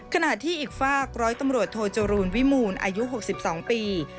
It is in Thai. ขณะที่อีกฝากร้อยตำรวจโทจรูลวิมูลอายุ๖๒ปี